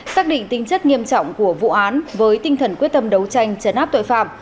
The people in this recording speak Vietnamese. xác định tính chất nghiêm trọng của vụ án với tinh thần quyết tâm đấu tranh chấn áp tội phạm